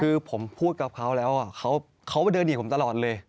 คือผมพูดกับเขาแล้วเขาเดินหนีผมตลอดเลย